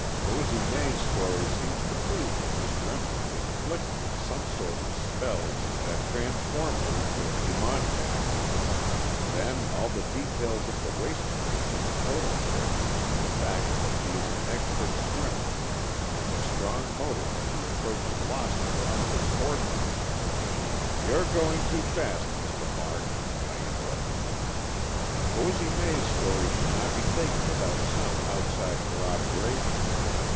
Posy May's story seems to prove that Miss Remsen is afflicted with some sort of spells that transform her into a demoniac. Then, add the details of the waistcoats and Totem Pole, the fact that she is an expert swimmer and the strong motive of the approaching loss of her uncle's fortune——" "You're going too fast, Mr. March," I interrupted him. "Posy May's story should not be taken without some outside corroboration.